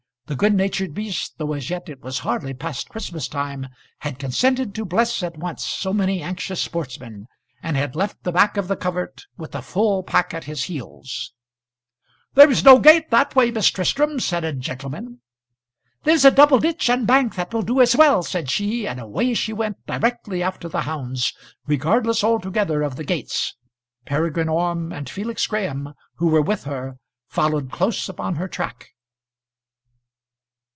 The good natured beast, though as yet it was hardly past Christmas time, had consented to bless at once so many anxious sportsmen, and had left the back of the covert with the full pack at his heels. "There is no gate that way, Miss Tristram," said a gentleman. "There's a double ditch and bank that will do as well," said she, and away she went directly after the hounds, regardless altogether of the gates. Peregrine Orme and Felix Graham, who were with her, followed close upon her track.